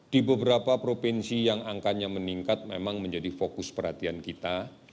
di beberapa provinsi yang angkanya meningkat memang menjadi fokus perhatian kita